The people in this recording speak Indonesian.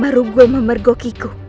pamat amuk maruguna memergokiku